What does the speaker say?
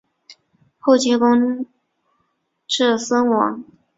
后积功至森王。